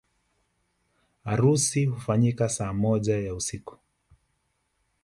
Harusi hufanyika saa moja ya usiku